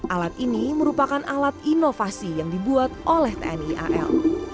alat ini merupakan alat inovasi yang dibuat oleh tni al